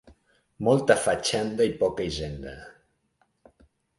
Molta fatxenda i poca hisenda.